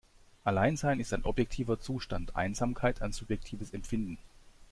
Alleinsein ist ein objektiver Zustand, Einsamkeit ein subjektives Empfinden.